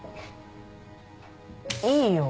いいよ。